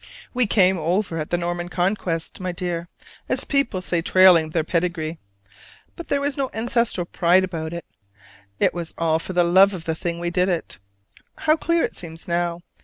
"We came over at the Norman conquest," my dear, as people say trailing their pedigree: but there was no ancestral pride about us it was all for the love of the thing we did it: how clear it seems now!